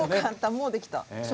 もうできた。